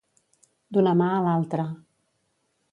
D'una mà a l'altra.